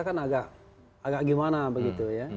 kan agak gimana begitu ya